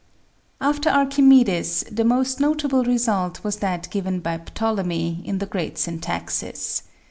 After Archimedes, the most notable result was that given by Ptolemy, in the " Great Syntaxis."